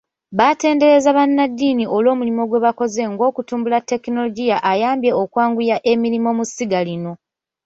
Baatenderezza bannaddiini olw'omulimu gwe bakoze ng'okutumbula tekinologiya ayambye okwanguya emirimu mu ssiga lino.